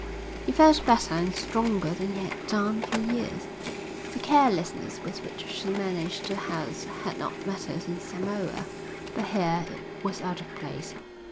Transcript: He felt better and stronger than he had done for years. The carelessness with which she managed her house had not mattered in Samoa, but here it was out of place.